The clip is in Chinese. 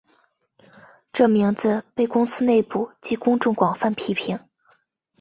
这名字被公司内部及公众广泛被批评。